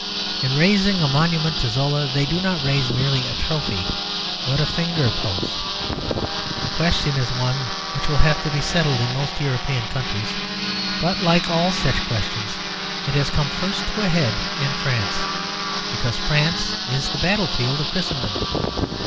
In raising a monument to Zola they do not raise merely a trophy, but a finger post. The question is one which will have to be settled in most European countries; but like all such questions, it has come first to a head in France; because France is the battlefield of Christendom.